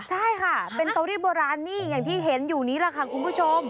ใช่ค่ะเป็นเตารีดโบราณนี่อย่างที่เห็นอยู่นี้แหละค่ะคุณผู้ชม